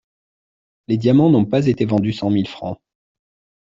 Les diamants n'ont pas été vendus cent mille francs.